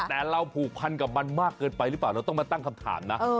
แต่เราผูกพันกับมันมากเกินไปหรือเปล่าเราต้องมาตั้งคำถามนะ